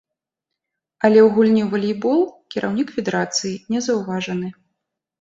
Але ў гульні ў валейбол кіраўнік федэрацыі не заўважаны.